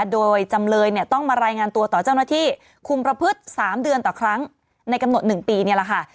โดยจำเลยเนี่ยต้องมารายงานตัวต่อเจ้าหน้าที่คุมประพฤติ๓เดือนต่อครั้งในกำหนด๑ปีนี่แหละค่ะ